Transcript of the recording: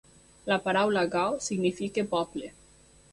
La paraula "gao" significa "poble".